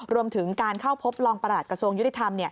รวมถึงการเข้าพบรองประหลัดกระทรวงยุติธรรม